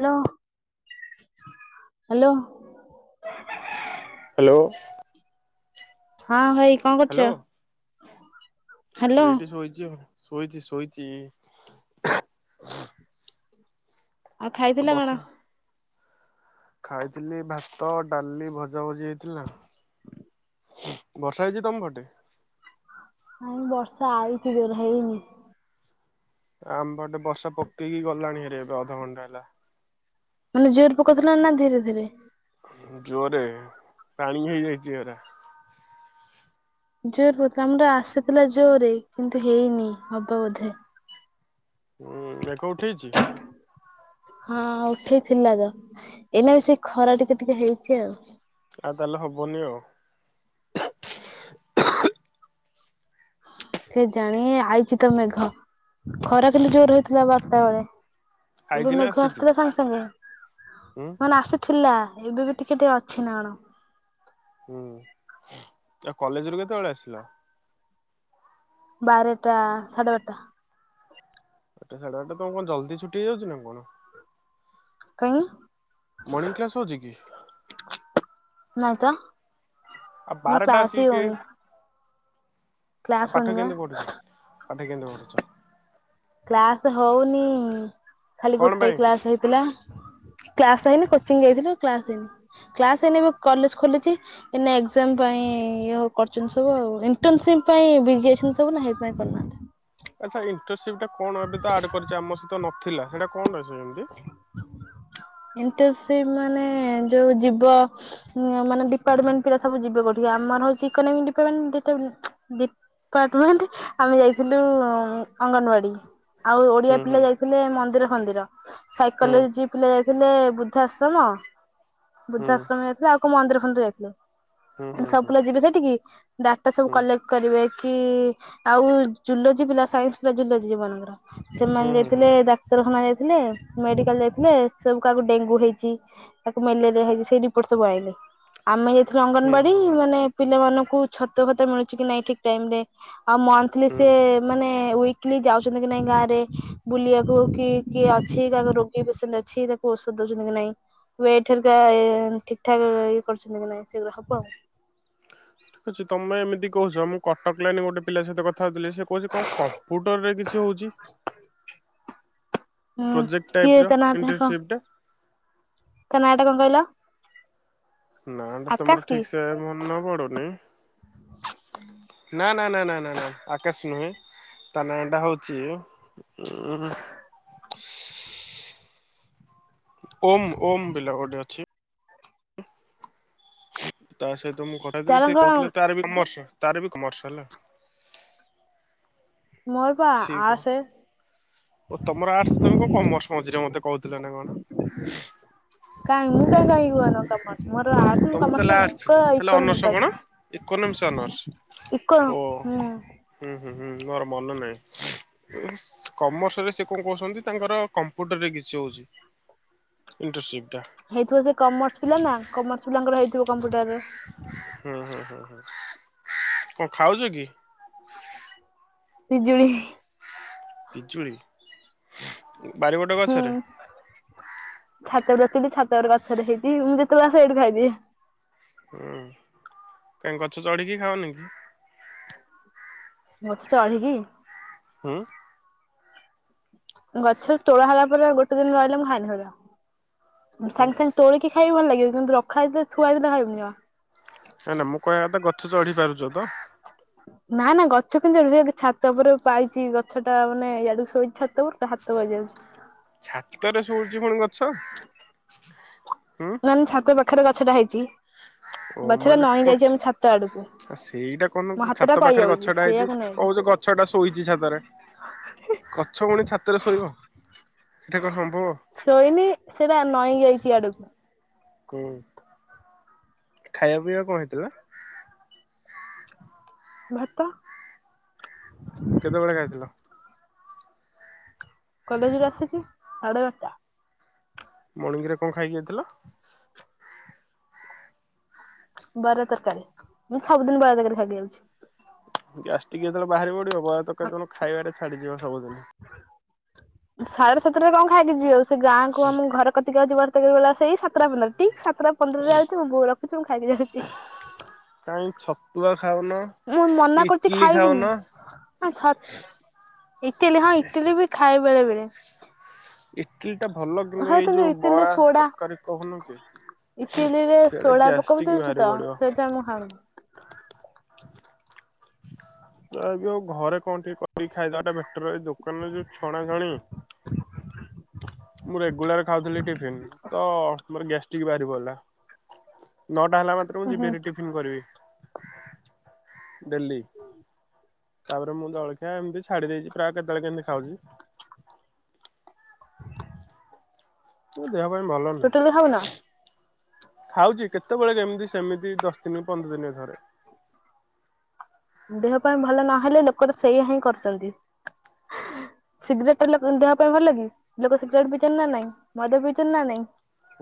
Hello hello. Hello. ହଁ ଭାଇ। କଣ କରୁଛ ହ୍ୟାଲୋ ହ୍ୟାଲୋ ଏଇଠି ଶୋଇଚି ଆଉ ଶୋଇଚି ଶୋଇଚି। ଆଉ ଖାଇଥିଲ କଣ? ବର୍ଷା। ଖାଇଥିଲି ଭାତ, ଡାଲି, ଭଜା ଭଜି ହେଇଥିଲା। ବର୍ଷା ହେଇଚି ତମ ପଟେ। ନାଇଁ ବର୍ଷା ଆଇଚି ଜୋରେ ହେଇନି। ଆମପଟେ ବର୍ଷା ପକେଇକି ଗଲାଣି ହେରେ ଏବେ ଅଧଘଣ୍ଟା ହେଲା। ଜୋର ପକଉଥିଲା ନା ଧୀରେ ଧୀରେ। ଜୋରେ ପାଣି ହେଇଯାଇଛି ଏରାଆ। ଜୋର [inaudible] ଆସିଥିଲା ଜୋରେ କିନ୍ତୁ ହେଇନି ହବ ବୋଧେ। ହୁଁ ମେଘ ଉଠେଇଚି। ହଁ ଉଠେଇଥିଲା ତ ଏଇନା ବି ସେଇ ଖରା ଟିକେ ଟିକେ ହେଇଚି ଆଉ। ଆଉ ତା ଲେ ହବନି ଆଉ। କେଜାଣି ଆଇଚି ତ ମେଘ ଖରା କିନ୍ତୁ ଜୋର ହେଇଥିଲା ବାରଟା ବେଳେ। ଏବେ ଆଇଛି ନା ମେଘ ଆସିଛି ଆସିଥିଲା ସାଙ୍ଗେ ସାଙ୍ଗେ ଉଁ ମାନେ ଆସି ଥିଲା ଏବେ ବି ଟିକେ ଟିକେ ଅଛି ନା ହୁଁ ତ କଲେଜ ରୁ କେତେ ବେଳେ ଆସିଲ? ବାରେଟା ସାଢ଼େ ବାରଟା। ଗୋଟେ ସାଢେ ବାରଟା କଣ ଜଲଦି ଛୁଟି ହେଇଯାଉଚି ନା କଣ? କାଇଁ? ମର୍ଣ୍ଣିଂ କ୍ଲାସ୍ ହଉଚି କି? ନାଇତ ଆଉ ମୋର ବାରଟା କ୍ଲାସ ହି ଆସିକି ହଉନି। ଆଉ କ୍ଲାସ ପାଠ ହଉନି ବା କେମିତି ପଢୁଛୂ ପାଠ କେମିତି ପଢ଼ୁଛୁ? କ୍ଲାସ ହଉନି ଖାଲି କଣ ଗୋଟେ ପାଇଁ? କ୍ଲାସ ହେଇଥିଲା। କ୍ଲାସ ହେଇନି କୋଚିଂ ଯାଇଥିଲୁ କ୍ଲାସ ହେଇନି କ୍ଲାସ ହେଇନି ମୁ କଲେଜ ଖୋଲିଛି। ଏଇନା ଏଗଜାମ୍ ପାଇଁ କରୁଚନ୍ତି ସବୁ ଆଉ ଇଣ୍ଟନସିପ ପାଇଁ ବିଜି ଅଛନ୍ତି ସବୁ ହେତି ପାଇଁ କରୁ ନାହାଁନ୍ତି। ଆଚ୍ଛା ଇଣ୍ଟର୍ନସିପ୍ ଟା କଣ ଆଡ଼େ ପରିଚୟ ଆମ ସହିତ ନଥିଲା ହେଟା କଣ ଅଛି ଏମିତି। କିନ୍ତୁ ସେମାନେ ଯୋଉ ଯିବ ମାନେ ଡିପାର୍ଟମେଣ୍ଟ ପିଲା ସବୁ ଯିବେ ବୋଧେ ଆମର ହଉଛି ଏକୋନୋମି ଡିପାମେନ୍ ଡିଟା ଡି ଡିପାର୍ଟମେଣ୍ଟ ଆମେ ଯାଇଥିଲୁ ଅଙ୍ଗନବାଡି। ଆଉ ଓଡିଆ ହୁଁ ହୁଁ ପିଲା ଯାଇଥିଲେ ମନ୍ଦିର ଫନ୍ଦିର। ସାଇକୋଲୋଯି ପିଲା ଯାଇଥିଲେ ବୃଦ୍ଧାଶ୍ରମ ହୁଁ ବୃଦ୍ଧାଶ୍ରମ ଯାଇଥିଲେ ଆଉ କୋଉ ମନ୍ଦିର ଫନ୍ଦିର ଯାଇଥିଲ ହୁଁ ହୁଁ ସବୁ ପିଲା ଯିବେ ସେଇଠିକି ଡାଟା ସବୁ ହୁଁ କଲେକ୍ଟ କରିବେ କି ଆଉ ଜୁଲୋଜି ପିଲା ସାଇନ୍ସ ପିଲା ଜୁଲୋଜି ମାନଙ୍କର ହୁଁ ହୁଁ ହୁଁ ସେମାନେ ହୁଁ ଯାଇଥିଲେ ଡାକ୍ତରଖାନା ଯାଇଥିଲେ ମେଡିକାଲ ଯାଇଥିଲେ ସବୁ କାହାକୁ ଡେଙ୍ଗୁ ହେଇଛି କାହାକୁ ମ୍ୟାଲେରିଆ ହେଇଛି ସେଇ ରିପୋର୍ଟ ସବୁ ଆଇଁଲେ। ଆମେ ଯାଇଥିଲୁ ହୁଁ ଅଙ୍ଗନବାଡି ହୁଁ ହୁଁ ହୁଁ ମାନେ ପିଲାମାନଙ୍କୁ ଛତୁଆ ଫତୁଆ ମିଳୁଛି କି ନାଇଁ ଠିକ ଟାଇମରେ ଆଉ ମନ୍ଥଲି ସେ ହୁଁ। ମାନେ ୱିକଲି ଯାଉଛନ୍ତି କି ନାଇଁ ଗାଁରେ ବୁଲିବାକୁ କି କିଏ ଅଛି କାହାକୁ ରୋଗୀ ପେସେଣ୍ଟ ଅଛି ତାକୁ ଔଷଧ ଦଉଛନ୍ତି କି ନାଇଁ ୱେଟ ଥରିକା ଠିକ୍ ଠାକ୍ ଇଏ କରୁଛନ୍ତି କି ନାଇ ସେଇଗୁରା ସବୁ ଆଉ। ଠିକ୍ ତମେ ଏମିତି କହୁଛ ମୁଁ କଟକ ଲାଇନ ଗୋଟ ପିଲା ସହିତ କ କଥା ହଉଥିଲି ସେ କହୁଛି କଣ କମ୍ପୁଟରରେ କିଛି ହଉଛି। ହୁଁ ପ୍ରୋଜେକ୍ଟ ଟାଇପ୍ କିଏ ର ତା ନାଁ ଟା କଣ ଇଣ୍ଟରସିପ୍ ତା ନାଁ ଟା କଣ କହିଲ? ନାଁ ଟା ତ ମୋର ଆକାଶ କି ଠିକ ସେ ମନେ ପଡୁନି ନା ନା ନା ନା ନା ନା ଆକାଶ ନୁହେଁ ତା ନାଁଟା ହଉଛି ଉଁ ଓମ୍ ଓମ୍ ପିଲା ଗୋଟେ ଅଛି ତା ସହିତ ମୁଁ କଥା ହୁଏ ତାର ସେ କଣ କହୁଥିଲେ ତାର ବି କମର୍ସ ତାର ବି କମର୍ସ ହେଲା। ମୋର ପା ସିଏ କଣ ଆର ସେ ଓ ତମର ଆର୍ଟସ ତମେ କଣ କମର୍ସ ମଝିରେ ମତେ କହୁଥିଲ ନା କଣ। କାଇଁ ମୁଁ କହିଁ କହିବି [unintelligible] ମୋର ଆର୍ଟ ମୁଁ ତମର କମର୍ସ ତାହେଲେ ଆର୍ଟସ କହିଁକି କହିବି କ ତାହେଲେ ଅନର୍ସ ଇକୋନୋମିକ କଣ ଇକୋନୋମିକ୍ସ ଅନର୍ସ କହିଥିଲି। ଇକୋ ଓ ହୁଁ। ହୁଁ ହୁଁ ହୁଁ ମୋର ମନେନାହିଁ। କମର୍ସରେ ସେ କଣ କହୁଛନ୍ତି ତାଙ୍କର କମ୍ପ୍ୟୁଟରରେ କିଛି ହଉଛି। ଇଣ୍ଟର୍ନସିପ୍ ଟା। ହେଇଥିବ ସେ କମର୍ସ ପିଲା ନା କମର୍ସ ପିଲାଙ୍କର ହେଇଥିବ କମ୍ପ୍ୟୁଟରରେ। ହୁଁ ହୁଁ କଣ ଖାଉଛ କି? ପିଜୁଳି। ପିଜୁଳି ବାରିପଟ ହୁଁ ଗଛରେ ଛାତ ଉପରେ ବସିଥିଲି ଛାତ ଉପରେ ଗଛରେ ହେଇଛି ମୁଁ ଯେତେବେଳେ ଆସେ ଏଇଠୁ ଖାଇଦିଏ। ହୁଁ କହିଁକି ଗଛ ଚଢିକି ଖାଓନି? ଗଛ ଚଢିକି ହୁଁ। ଗଛରୁ ତୋଳ ହେଲା ପରେ ଗୋଟେ ଦିନ ରହିଲା ମୁଁ ଖାଏନି ସାଙ୍ଗେ ହୁଁ ସାଙ୍ଗେ ତୋଳିକି ଖାଇ ବି ଭଲ ଲାଗିବ କିନ୍ତୁ ରଖା ହେଇଥିବ ଥୁଆ ହେଇଥିଲେ ଖାଇବିନି ଜମା। ନା ନା ମୁଁ କହିବା କଥା ଗଛ ଚଢି ପାରୁଛ ତ? [inaudible] ନା ନା ଗଛ କେମତି ଚଢ଼ିବି ଛାତ ଉପରେ ପାଇଛି ଗଛ ଟା ମାନେ ୟାଡୁକୁ ଶୋଇଛି ଛାତ ଉପରକୁ ହାତ ପାଇ ଯାଉଛି। ଛାତରେ ଶୋଉଛି ପୁଣି ଗଛ ହୁଁ ଆମ ଛାତ ପାଖରେ ଗଛଟା ହେଇଛି। ଓ ମୁଁ ଗଛଟା ଭାବିଲି ନଈଁ ଯାଇଛି ଆମ ଛାତ ଆଡକୁ କଞ୍ଚ ସେଇଟା ମୋ କହନୁ ହାତ ଟା ଛାତ ପାଖରେ ପାଇଯାଉଛି ଗଛଟା ହେଇଛି ସେଇଆକୁ ନେଇକି କୋଉଛ ଗ ଗଛ ଟା ଶୋଇଛି ଛାତରେ ଗଛ ପୁଣି ଛାତରେ ଶୋଇବ। ହେଟା କଣ ସମ୍ଭବ। ଶୋଇନି ସେଟା ନଇଁ ଯାଇଚି ଇଆଡକୁ। ହୁଁ ଖାଇବା ପିଇବା କଣ ହେଇଥିଲା? ଭାତ। କେତେବେଳେ ଖାଇଥିଲ? କଲେଜରୁ ଆସିଚି ସାଢ଼େ ବାରଟା। ମର୍ଣିଙ୍ଗ୍ ରେ କଣ ଖାଇକି ଯାଇଥିଲ? ବର ତରକାରୀ ମୁଁ ସବୁଦିନ ବରା ତରକାରୀ ଖାଇକି ଯାଉଚି। ଗ୍ୟାସଟିକ୍ ଯେତେବେଳେ ବାହାରି ପଡିବ ବରା ତରକାରୀ ତମର ଖାଇବାରେ ଛାଡିଯିବ ସବୁଦିନ। ସାଢେ ସାତଟା କଣ ଖାଇକି ଯିବି ଆଉ ସେ ଗାଁକୁ ଆମ ଘର କତିକି ଆଉଚି ବର [unintelligible] ସେଇ ସାତଟା ପନ୍ଦର ଠିକ୍ ସାତଟା ପନ୍ଦରରେ ଆଉଚି ମୋ ବୋଉ ରଖୁଚି ମୁଁ ଖାଇକି ଯାଉଚି। କାଇଁ ଛତୁଆ ଖାଉନ। ମୁଁ କି ମନା କରୁଚି ଇଟଲି ଖାଉନ? ଖାଇବିନି। ହଁ ଛତ୍ ଇଟିଲି ହଁ ଇଟିଲି ବି ଖାଏ ବେଳେ ବେଳେ। ଇଟିଲି ଟା ଭଲ କିନ୍ତୁ ହଁ ଏଇ ଯୋଉ ଇଟିଲିରେ ବରା ସୋଡା ତରକାରୀ କହୁନୁ କି ଇଟିଲିରେ ସେଇଡା ସୋଡା ପକେଇ ଗ୍ୟାସଟିକ୍ ଦଉଚି ବାହାରି ତ ପଡିବ। ସେଇଥିପାଇଁ ମୁଁ ଖାଉନି। ତ ଆଉ ଘରେ କଣ ଟିକେ କରିକି ଖାଇଦବାଟା ବେଟର ଦୋକାନରେ ଯୋଉ ଛଣା ଛଣି ମୁଁ ରେଗୁଲାର ଖାଉଥିଲି ଟିଫିିନ ତ ମୋର ଗ୍ୟାଷ୍ଟ ଷ୍ଟିକ ବାହାରି ପଡିଲା ନଅଟା ହେଲା ମାତ୍ରେ ମୁଁ ହୁଁ ଯିବି ହୁଁ ହାରି ଟିଫନ୍ କରିବି। ଡେଲି। ତାପରେ ମୁଁ ଜଳଖିଆ ଏମିତି ଛାଡି ଦେଇଚି ପ୍ରାୟ କେତବେଳେ କେମିତି ଖାଉଚି। ଦେହ ପାଇଁ ଭଲ ଟୋଟାଲି ଖାଉନ ନୁହେଁ। ଖାଉଚି କେତେବେଳେ କେମିତି ସେମିତି ଦଶ ଦିନ ପନ୍ଦର ଦିନ ଥରେ। ଦେହ ପାଇଁ ଭଲ ନହେଲେ ଲୋକ ତ ସେଇଆ ହିଁ କରୁଚନ୍ତି। ସିଗରେଟ ଟା ଲୋକ ଦେହ ପାଇଁ ଭଲ କିି ଲୋକ ସିଗରେଟ ପିଉଚନ୍ତି ନା ନାଇଁ ମଦ ପିଉଚନ୍ତି ନା ନାଇଁ।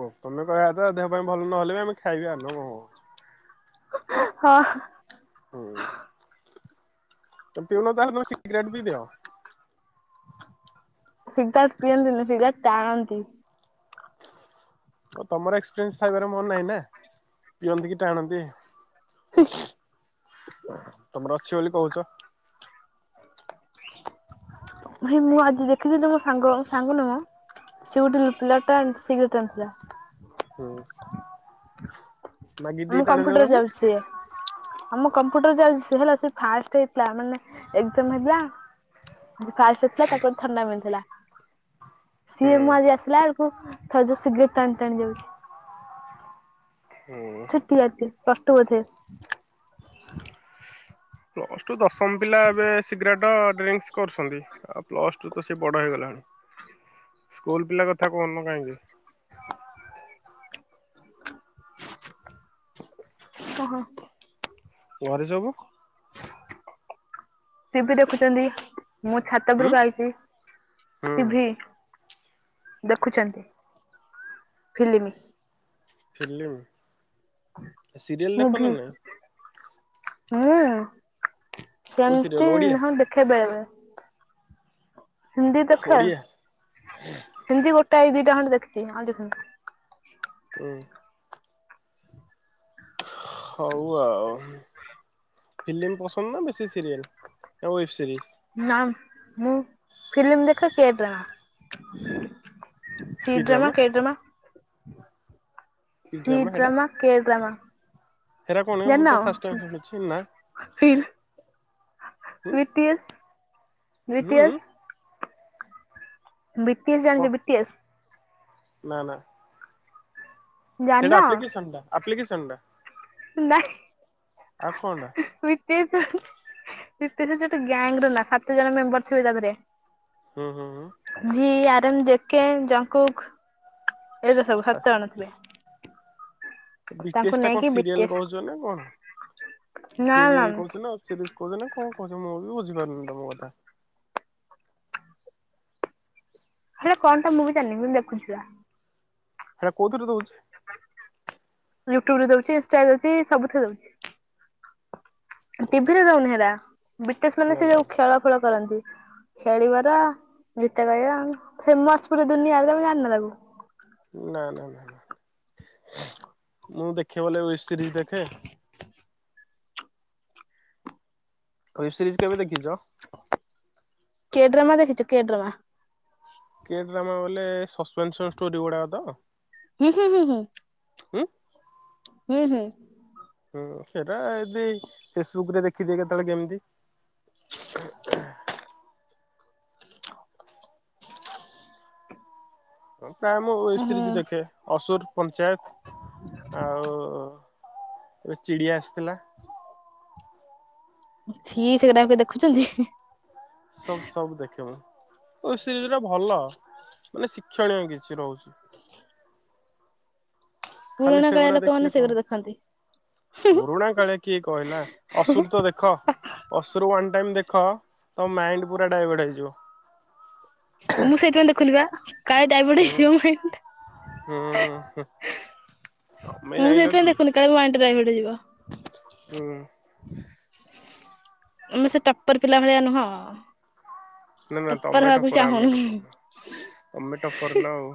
ଓ ତମେ କହିବା କଥା ଦେହ ପାଇଁ ଭଲ ନହଲେ ବି ଆମେ ଖାଇବା ନା ଆ କଣ? ହଁ। ହୁଁ ତମେ ପିଉନ ତାହେଲେ ତମେ ସିଗରେଟ ପିଇଦିଅ। ସିଗାରେଟ୍ ପିଅନ୍ତିନି ସିଗାରେଟ୍ ଟାଣନ୍ତି। ଓ ତମର ଏକ୍ସପିରିଏନ୍ସ ଥାଇପାରେ ମୋର ନାହିଁ ନା ପିଅନ୍ତି କି ଆଣନ୍ତି? ତମର ଅଛି ବୋଲି କହୁଚ। ଭାଇ ମୁଁ ଆଜି ଦେଖିଥିଲି ତମ ସାଙ୍ଗ ସାଙ୍ଗ ନୁହଁ ମ। ସେ ଗୋଟେ ଲୋ ପିଲା ଟା ସିଗାରେଟ୍ ଟାଣୁଥିଲା। ହୁଁ। ମାଗିକି ଟିକେ ଆମ ଟାଣି କମ୍ପ୍ୟୁଟର ଦେଲନି ଚାଲୁଚି ସେଇଆ। ଆମ କମ୍ପ୍ୟୁଟର ଚାଲୁଚି ସେ ହେଲା ସେ ଫାଷ୍ଟ ହେଇଥିଲା ମାନେ ଏଗଜାମ ହେଇଥିଲା। ଆ ଫାଷ୍ଟ ହେଇଥିଲା ତାକୁ ଗୋଟେ ଥଣ୍ଡା ମିଳିଥିଲା। ହୁଁ ସିଏ ମୁଁ ଆଜି ଆସିଲା ବେଳକୁ ଥଉ ସିଗରେଟ୍ ଟାଣି ଟାଣି ଯାଉଛି। ହୁଁ। ଛୋଟିଆଟେ ପ୍ଲସ ଟୁ ବୋଧେ। ପ୍ଲସ୍ ଟୁ ଦଶମ ପିଲା ଏବେ ସିଗରେଟ ଡ୍ରିଙ୍କସ୍ କରୁଶନ୍ତି। ଆଉ ପ୍ଲସ ଟୁ ତ ସେ ବଡ ହେଇଗଲାଣି ସ୍କୁଲ ପିଲା କଥା କହୁନ କାହିଁକି। ଓହୋ। ଘରେ ସବୁ ଟିଭି ଦେଖୁଚନ୍ତି ମୁଁ ଛାତ ହୁଁ ଉପରକୁ ଆଇଚି। ହୁଁ ଟିଭି ଦେଖୁଚନ୍ତି ଫିଲିମ୍। ଫିଲିମ୍। ମୁଭି ନାଇଁ ହୁଁ। କୋଉ ସିରିଏଲ ସେମ୍ତି ଓଡିଆ ହଁ ଦେଖେ ବେଳେ-ବେଳେ ହିନ୍ଦୀ ଦେଖେ। ଓଡିଆ ହିନ୍ଦୀ ଗୋଟାଏ ଦିଟା ଖଣ୍ଡେ ଦେଖିଚି ଆଉ ଦେଖିନି। ହୁଁ। ହଉ ଆଉ। ଫିଲିମ୍ ପସନ୍ଦ ନା ବେଶୀ ସିରିଏଲ୍ ନା ୱେବ୍ ସିରିଜ୍? ନା ମୁଁ ଫିଲିମ୍ ଦେଖେ [unintelligible] କି ସିଡ୍ରାମା ଡ୍ରାମା କେଡ୍ରାମା। କି ଡ୍ରାମା ହେଟା ସିଡ୍ରାମା କେଡ୍ରାମା। ହେରା କଣ ମୁଁ ତ ଫାଷ୍ଟ ଟାଇମ ଶୁଣୁଛି ନା [unintelligible] ହୁଁ ହୁଁ ବିଟିଏସ୍-ବିଟିଏସ୍। ବିଟିଏସ୍ ଜାଣିଚ ବିଟିଏସ୍? ନା-ନା। ଜାଣିନ ସେଇଟା ଅପ୍ଲିକେସନ୍ ଟା ଆପ୍ଲିକେସନ୍ ଟା। ନାଇଁ ଆଉ କଣଟା [unintelligible] ସେତ ସେଥିରେ ଗ୍ୟାଙ୍ଗ ର ନା ସାତ ଜଣ ମେମ୍ବର ଥିବେ ତା ଧେରେ ହୁଁ-ହୁଁ-ହୁଁ। ଭି ଆର୍ ଏନ୍ ଜେଜେ ଜଙ୍କୁକ୍ ଏଇଗରା ସବୁ ହୁଁ ସାତ ଜଣ ଥିଲେ। ବିଟଏସ୍ ଟା କଣ ନେଇକି ସିରିଏଲ ବିଟିଏସ୍ କହୁଚ ନା କଣ ସିରିଏଲ୍ କହୁଚ ନା ସିରିଜି କହୁଛେ ନା କଣ କହୁଚ ମୁଁ ବି ବୁଝିପାରିନୁ ତମ କଥା। ସେଇଟା କଣ ଟା ମୁଁ ବି ଜାଣିବି ମୁଁ ଦେଖୁଚି ବା। ସେଇଟା କୋଉଥିରେ ଦଉଚି? ୟୁଟ୍ୟୁବ୍ ରେ ଦଉଚି ଇନଷ୍ଟା ରେ ଦଉଚି ସବୁଥିରେ ଦଉଚି। ଟିଭିରେ ଦଉନି ହେଲା ବିଟିଏସ୍ ମାନେ ନା ସେ ନା ଯୋଉ ଖେଳ ଫେଳ କରନ୍ତି। ଖେଳିବାର ଗୀତ ଗାଇବା ଫେମସ୍ ପୁର ଦୁନିଆରେ ତମେ ଜାଣିନ ତାକୁ? ନା-ନା ମୁଁ ଦେଖେ ବୋଲେ ୱେବ୍ ସିରିଜି ଦେଖେ। ୱେବ୍ ସିରିଜି କେବେ ଦେଖିଚ? କେଡ୍ରାମା ଦେଖିଚୁ କେଡ୍ରାମା। କେଡ୍ରାମା ବୋଲେ ସପେନସନ୍ ଷ୍ଟୋରି ଗୁଡାକ ତ? ହୁଁ-ହଁ-ହୁଁ। ହୁଁ। ହୁଁ-ହୁଁ। ହୁଁ ସେଇଟା ଏଦି ଫେସବୁକ୍ ରେ ଦେଖିଦିଏ କେତେବେଳେ କେମ୍ତି। ପ୍ରାୟ ମୁଁ ୱେବ୍ ଓହୋ ସିରିଜ୍ ଦେଖେ, ଅସୁର୍ ପଞ୍ଚାୟତ ଆଉ ଏବେ ଚିଡ଼ିଆ ଆସିଥିଲା। ଛି ସେଗୁରା ଏବେ ଦେଖୁଚନ୍ତି। ସବୁ-ସବୁ ଦେଖେ ମୁଁ, ୱେବ୍ ସିରିଜ୍ ଟା ଭଲ ମାନେ ଶିକ୍ଷଣୀୟ କିଛି ରହୁଚି। ଖାଲି ପୁରୁଣା କାଳିଆ ସେଗୁଡା ଲୋକମାନେ ଦେଖିଲେ [unintelligible] ସେଗୁରା ଦେଖନ୍ତି। ପୁରୁଣା କାଳେ କିଏ କହିଲା ଅସୁର୍ ତ ଦେଖ। ଅଶୁର୍ ୱାନ୍ ଟାଇମ୍ ଦେଖ ତ ମାଇଣ୍ଡ ପୁରା ଡାଇଭର୍ଟ ହେଇଯିବ। ମୁଁ ସେଇଥିପାଇଁ ଦେଖୁନି ବା, କାଳେ ଡାଇଭର୍ଟ ହୁଁ ହେଇଯିବ ମାଇଣ୍ଡ ଟା। ହୁଁ ତମେ ଯାଇଁଲ୍ ସେଥିପାଇ ଦେଖୁନି କାଳେ [inaudible] ‌ଯିବ। ହୁଁ। ଆମେ ସେ ଟପର୍ ପିଲା ଭଳିଆ ନୁହଁ। ନାଁ ନାଁ ଟପ୍ପର ତମେ ହବାକୁ ଟପର୍ ଆମେ ଚାହୁଁନୁ ଟପର୍ ନୁହଁ, ତମେ ଟପର୍ ନାଁ ଆଉ।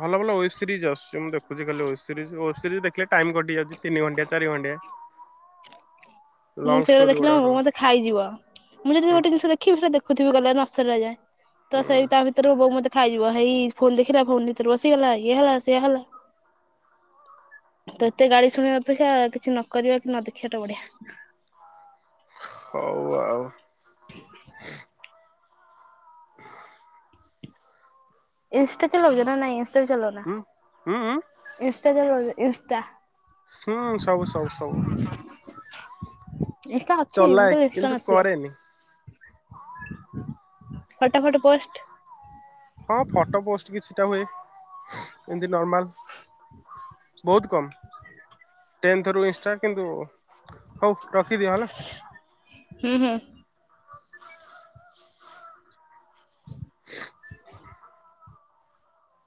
ଭଲ ଭଲ ୱେବ୍ ସିରିଜ୍ ଆସୁଚି ମୁଁ ଦେଖୁଚି ଖାଲି ୱେବ୍ ସିରିଜ୍ ୱେବ୍ ସିରିଜ୍ ଦେଖ୍ ଖିଲେ ଟାଇମ କଟି ଯାଉଚି ତିନି ଘଣ୍ଟଆ ଚାରି ଘଣ୍ଟିଆ। ମୁଁ ଲଙ୍ଗ ସେଇୟାକୁ ଷ୍ଟୋରି ଦେଖିଲେ ଗୁଡା ମୋ ବୋଉ ରହୁଛି ମତେ ଖାଇଯିବ, ମୁଁ ଯଦି ଯୋ ହୁଁ ଗୋଟେ ଜିନିଷ ଦେଖିବି ସେଟା ଦେଖୁଥିବି ଗଲା ନସରିଲା ଯାଏଁ। ତ ହୁଁ ସେଇ ତା ଭିତ୍ ରେ ବୋଉ ମତେ ଖାଇଯିବ ହେଇ ଫୋନ ଦେଖିଲା ଫୋନ ଭିତେରେ ପସିଗଲା ଇଏ ହେଲା ସିଏ ହେଲା। ତ ଏତେ ଗାଳି ଶୁଣିବା ଅପେକ୍ଷା କିଛି ନ କରିବା କି ନ ଦେଖିବା ଟା ବଢିଆ। ହଉ ଆଉ। [unintelligible] ଇନ୍ସଟା ଚଲଉଚ ନା ନାଇଁ ଇନ୍ସଟାବି ଚଲଉନା, ହୁଁ। ହୁଁ ହୁଁ ଇନ୍ସଟା ଚଲଉଚ ଇନ୍ସଟା। ସ୍ହୁଁ ସବୁ ସବୁ ସବୁ। ଇଂଷ୍ଟା ଅଛି ମୁଁ କହିଲି ଚଲାଏ ଇଂଷ୍ଟା କିନ୍ତୁ ନଥିବ। କରେନି। ଫଟ ଫଟ ପୋଷ୍ଟ୍ ହଁ ଫଟ ପୋଷ୍ଟ କିଛିଟା ହୁଏ ଏମତି ନର୍ମାଲ୍। ବହୁତ୍ କମ୍। ଟେନ୍ଥରୁ ଇଂଷ୍ଟା କିନ୍ତୁ ହଉ ରଖିଦିଅ ହେଲା। ହୁଁ ହୁଁ। [unintelligible]